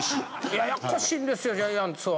ややこしいんですよジャイアンツは。